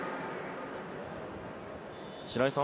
白井さん